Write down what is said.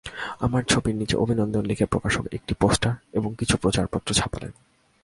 আমার ছবির নিচে অভিনন্দন লিখে প্রকাশক একটি পোস্টার এবং কিছু প্রচারপত্র ছাপালেন।